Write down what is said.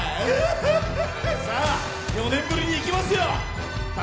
４年ぶりにいきますよ。